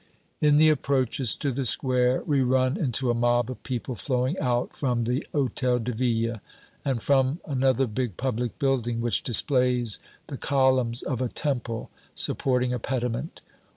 In the approaches to the square we run into a mob of people flowing out from the Hotel de Ville and from another big public building which displays the columns of a temple supporting a pediment.